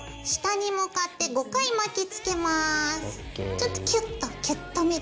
ちょっとキュッとキュッとめで。